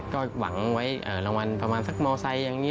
ก็หวังไว้รางวัลประมาณสักมอไซค์อย่างนี้